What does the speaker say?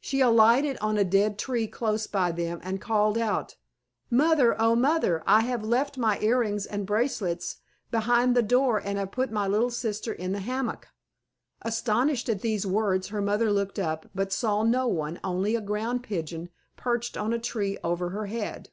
She alighted on a dead tree close by them and called out, "Mother, O Mother! I have left my earrings and bracelets behind the door and have put my little sister in the hammock." Astonished at these words her mother looked up, but saw no one, only a Ground Pigeon perched on the tree over her head.